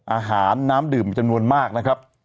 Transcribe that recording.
อาหารน้ำดื่มจำนวนมากนะครับ